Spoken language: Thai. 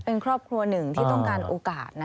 เป็นครอบครัวหนึ่งที่ต้องการโอกาส